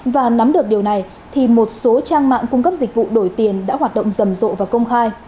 và nắm được điều này thì một số trang mạng cung cấp dịch vụ đổi tiền đã hoạt động rầm rộ và công khai